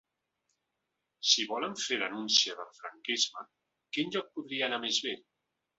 Si volen fer denúncia del franquisme, quin lloc podria anar més bé?